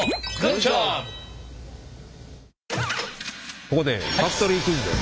ここでファクトリークイズです。